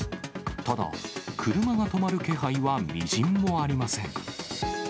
ただ、車が止まる気配はみじんもありません。